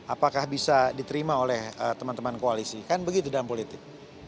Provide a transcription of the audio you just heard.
apakah bisa diterima oleh teman teman koalisi kan begitu dalam politik